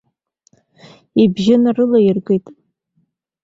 Ибжьы нарылаиргеит.